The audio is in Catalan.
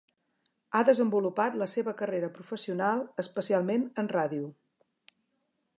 Ha desenvolupat la seva carrera professional especialment en ràdio.